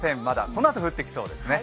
このあと降ってきそうですね。